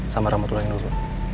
sama ramadul lain dulu